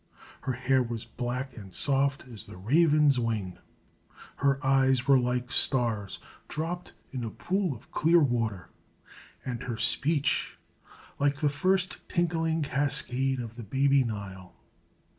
Her hair was black and soft as the raven's wing; her eyes were like stars dropped in a pool of clear water, and her speech like the first tinkling cascade of the baby Nile.